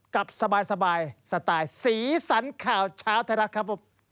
กับสบายสไตล์ศีลสรรค่าวเช้าไทยรัดครับ